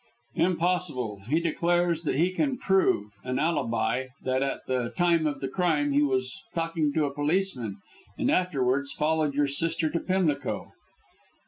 "Impossible! He declares that he can prove an alibi that at the time of the crime he was talking to a policeman, and afterwards followed your sister to Pimlico."